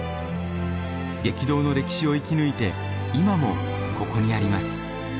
激動の歴史を生き抜いて今もここにあります。